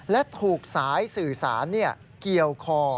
และถูกสายสื่อสารเกี่ยวคอ